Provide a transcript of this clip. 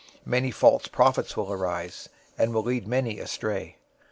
024:011 Many false prophets will arise, and will lead many astray.